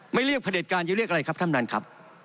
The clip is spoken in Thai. ไม่เรียกเผด็จการจะเรียกอะไรครับท่านบันดันครับ